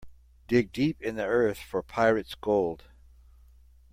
Dig deep in the earth for pirate's gold.